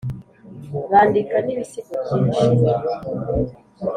bandika n’ibisigo byinshi